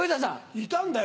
いたんだよ！